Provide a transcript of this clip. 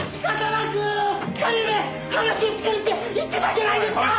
金で話をつけるって言ってたじゃないですか！